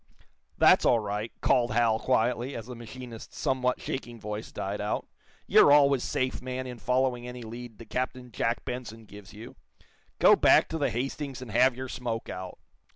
"That's all right," called Hal, quietly, as the machinist's somewhat shaking voice died out. "You're always safe, man, in following any lead that Captain Jack Benson gives you. Go back on the 'Hastings' and have your smoke out."